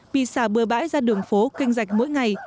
bị xả bừa bãi ra đường phố kênh rạch mỗi ngày